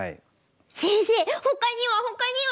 先生ほかにはほかには？